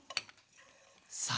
さあ。